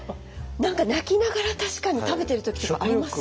何か泣きながら確かに食べてる時とかあります。